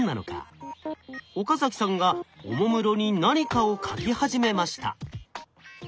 岡さんがおもむろに何かを書き始めました。